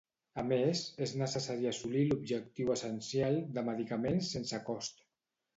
A més, és necessari assolir l'objectiu essencial de medicaments sense cost.